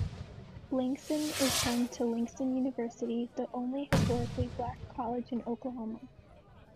Langston is home to Langston University, the only historically black college in Oklahoma.